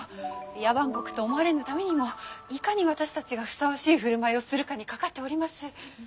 野蛮国と思われぬためにもいかに私たちがふさわしい振る舞いをするかにかかっております。